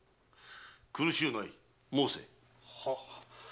苦しゅうない申せ。